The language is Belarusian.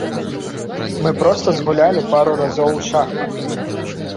Мы проста згулялі пару разоў у шахматы.